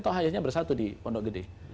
toh akhirnya bersatu di pondok gede